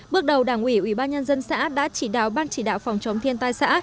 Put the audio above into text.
bước đầu đảng ủy ủy ban nhân dân xã đã chỉ đạo ban chỉ đạo phòng chống thiên tai xã